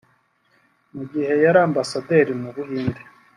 Mu gihe yari Ambasaderi mu Buhinde